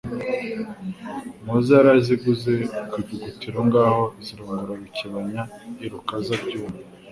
Muhoza yaraziguze ku Ivugutiro Ngabo zirongora Rukebanya i Rukaza-byuma,